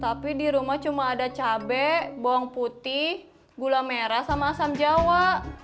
tapi di rumah cuma ada cabai bawang putih gula merah sama asam jawa